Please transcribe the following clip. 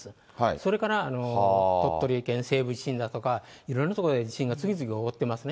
それから鳥取県西部地震だとか、いろいろな所で次々起こってますね。